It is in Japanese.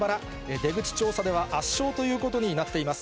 出口調査では圧勝ということになっています。